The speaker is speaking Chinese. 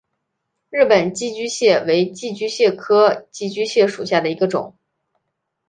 日本寄居蟹为寄居蟹科寄居蟹属下的一个种。